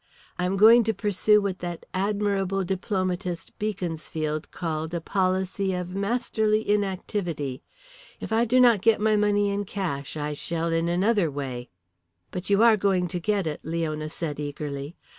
"I am going to pursue what that admirable diplomatist Beaconsfield called a policy of masterly inactivity. If I do not get my money in cash I shall in another way." "But you are going to get it?" Leona said eagerly.